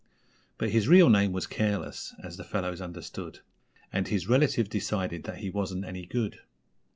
But his real name was Careless, as the fellows understood And his relatives decided that he wasn't any good.